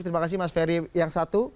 terima kasih mas ferry yang satu